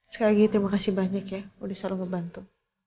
sekali lagi terima kasih banyak ya udah selalu ngebantu